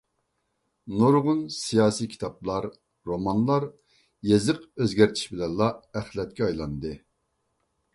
نۇرغۇن سىياسىي كىتابلار، رومانلار يېزىق ئۆزگەرتىش بىلەنلا ئەخلەتكە ئايلاندى.